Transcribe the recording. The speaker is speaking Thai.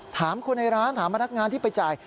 ถามคนในร้านถามพนักงานที่ไปจ่าย